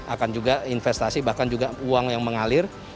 akan juga investasi bahkan juga uang yang mengalir